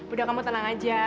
udah kamu tenang aja